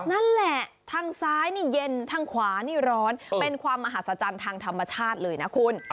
นั่นแหละทางซ้ายนี่เย็นทางขวานี่ร้อนเป็นความมหัศจรรย์ทางธรรมชาติเลยนะคุณ